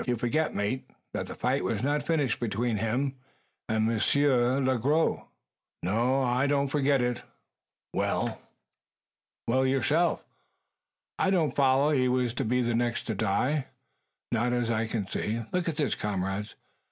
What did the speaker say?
"You forget, mate, that the fight was not finished between him and Monsieur Le Gros?" "No, I don't forget it. Well?" "Well, yourself!" "It don't follow he was to be the next to die, not as I can see. Look at this, comrades!